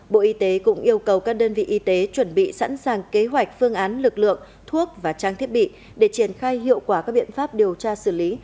bộ y tế cũng yêu cầu các đơn vị y tế chuẩn bị sẵn sàng kế hoạch phương án lực lượng thuốc và trang thiết bị để triển khai hiệu quả các biện pháp điều tra xử lý